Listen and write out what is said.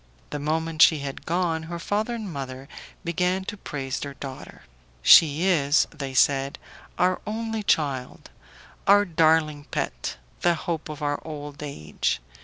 The moment she had gone her father and mother began to praise their daughter. "She is," they said, "our only child, our darling pet, the hope of our old age.